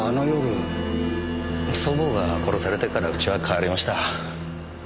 祖母が殺されてからうちは変わりました。